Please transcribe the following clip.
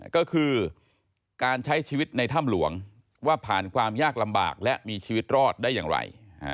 ก็คือการใช้ชีวิตในถ้ำหลวงว่าผ่านความยากลำบากและมีชีวิตรอดได้อย่างไร